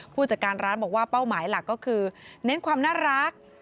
ผู้จัดการร้านบอกว่าเป้าหมายหลักก็คือเน้นความน่ารัก